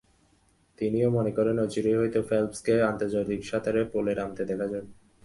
তিনিও মনে করেন অচিরেই হয়তো ফেলপসকে আন্তর্জাতিক সাঁতারে পুলে নামতে দেখা যাবে।